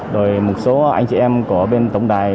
rồi một số anh chị em của bên tổng đài